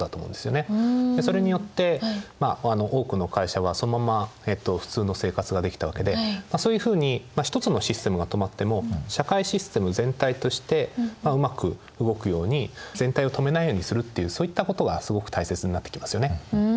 それによって多くの会社はそのまま普通の生活ができたわけでそういうふうに１つのシステムが止まっても社会システム全体としてうまく動くように全体を止めないようにするっていうそういったことがすごく大切になってきますよね。